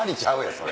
それ。